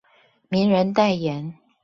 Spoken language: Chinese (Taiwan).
名人代言